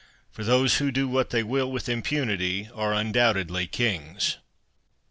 For those who do what they will with impunity are undoubtedly kings.